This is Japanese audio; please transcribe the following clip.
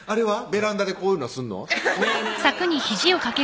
ベランダでこういうのはすんの？